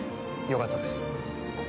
良かったです。